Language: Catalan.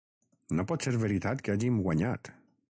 No pot ser veritat que hàgim guanyat.